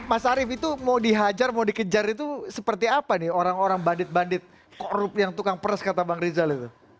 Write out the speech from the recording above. mas arief itu mau dihajar mau dikejar itu seperti apa nih orang orang bandit bandit korup yang tukang pers kata bang rizal itu